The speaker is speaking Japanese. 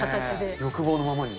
欲望のままに。